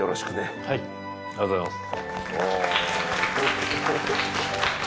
ありがとうございます。